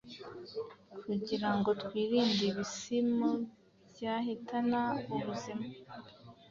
kugira ngo twirinde ibisimu byahitana ubuzima